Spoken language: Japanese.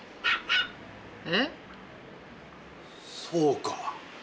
そうか。